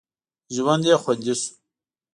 ژوند یې خوندي شو.